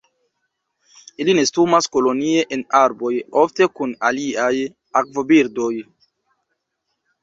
Ili nestumas kolonie en arboj, ofte kun aliaj akvobirdoj.